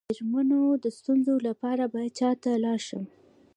د میرمنو د ستونزو لپاره باید چا ته لاړ شم؟